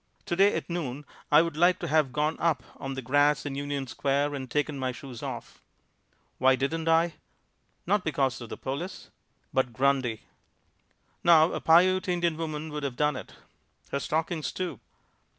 Today at noon I would like to have gone up on the grass in Union Square and taken my shoes off. Why didn't I? Not because of the police but Grundy. Now a Piute Indian woman could have done it. Her stockings too.